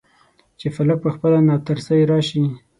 چې فلک پخپله ناترسۍ راشي.